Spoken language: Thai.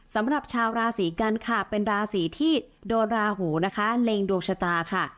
สำหรับชาวราศีกันค่ะเป็นราศีที่โดนราหูนะคะเล็งดวงชะตาค่ะ